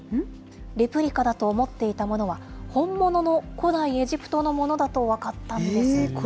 レプリカだと思っていたものは、本物の古代エジプトのものだと分かったんです。